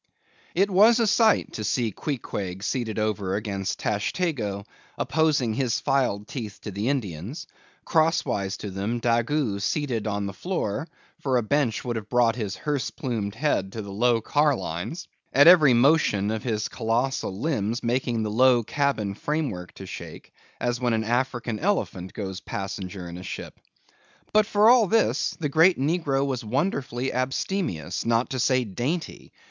It was a sight to see Queequeg seated over against Tashtego, opposing his filed teeth to the Indian's: crosswise to them, Daggoo seated on the floor, for a bench would have brought his hearse plumed head to the low carlines; at every motion of his colossal limbs, making the low cabin framework to shake, as when an African elephant goes passenger in a ship. But for all this, the great negro was wonderfully abstemious, not to say dainty.